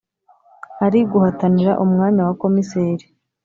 Ari guhatanira umwanya wa Komiseri.